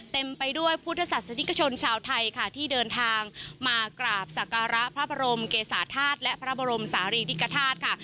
เต็มไปด้วยพุทธศาสนิกชนชาวไทยค่ะที่เดินทางมากราบสักการะพระบรมเกษาธาตุและพระบรมศาลีริกฐาตุค่ะ